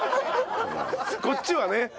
こっちはね